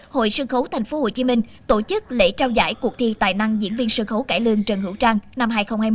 hội sân khấu tp hcm tổ chức lễ trao giải cuộc thi tài năng diễn viên sân khấu cải lương trần hữu trang năm hai nghìn hai mươi